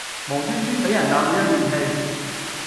無端端俾人鬧到一面屁